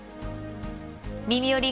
「みみより！